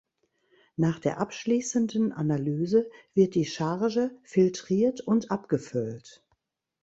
Nach der abschließenden Analyse wird die Charge filtriert und abgefüllt.